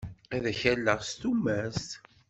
Ad k-alleɣ s tumert.